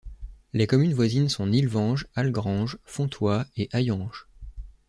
Les communes voisines sont Nilvange, Algrange, Fontoy et Hayange.